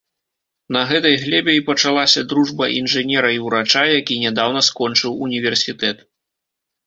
На гэтай глебе і пачалася дружба інжынера і ўрача, які нядаўна скончыў універсітэт.